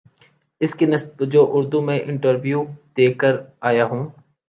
اس کی نسبت جو اردو میں انٹرویو دے کر آ یا ہو